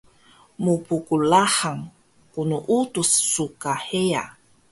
mpqlahang knuudus su ka heya